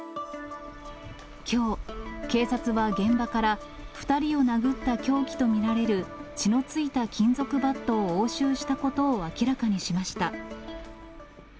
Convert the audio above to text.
きょう、警察は現場から、２人を殴った凶器と見られる血のついた金属バットを押収したことを明らかにしました。